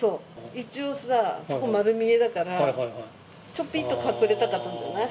一応、そこ、まる見えだから、ちょぴっと隠れたかったんじゃない？